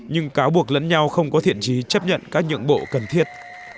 nhưng cáo buộc lẫn nhau không có thiện trí chấp nhận các nhượng bộ cần thiết